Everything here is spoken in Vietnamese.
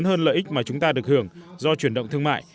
những lợi ích mà chúng ta được hưởng do chuyển động thương mại